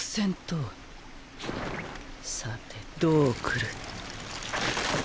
さてどう来る？